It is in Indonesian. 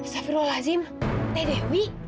safirullah azim teh dewi